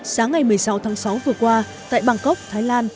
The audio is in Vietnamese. sáng ngày một mươi sáu tháng sáu vừa qua tại bangkok thái lan